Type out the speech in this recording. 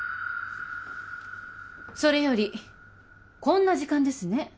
それよりこんな時間ですね